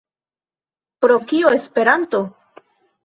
Pro kio Esperanto?